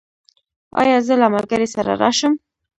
ایا زه له ملګري سره راشم؟